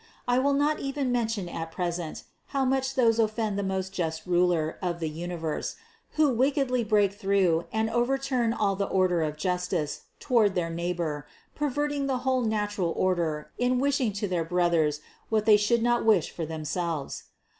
I will not even mention at present, how much those offend the most just Ruler of the universe, who wickedly break through and overturn all the order of justice toward their neighbor, perverting the whole natural order in wishing to their brothers, what they would not wish for themselves.